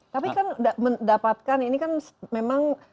tapi kan mendapatkan ini kan memang